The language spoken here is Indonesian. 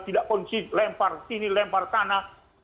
tidak konsis lempar sini lempar sana